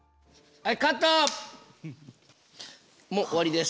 はい。